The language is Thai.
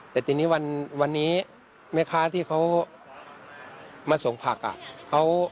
แต่ทีนี้วันนี้แม่ค้าที่เขามาส่งผัก